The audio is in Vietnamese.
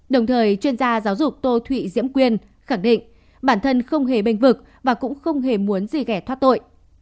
đồng thời chuyên gia giáo dục tô thụy diễm quyên khẳng định bản thân không hề bênh vực và cũng không hề muốn gì ghẻ thoát tội